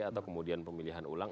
atau kemudian pemilihan ulang